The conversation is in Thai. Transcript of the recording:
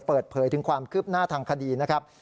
เปิดเผยถึงความคืบหน้าทางคดีนะครับ